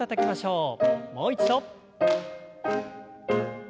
もう一度。